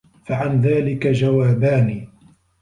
فَعَنْ ذَلِكَ جَوَابَانِ